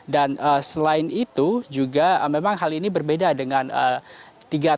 dan selain itu juga memang hal ini berbeda dengan tiga atau empat hari belakangan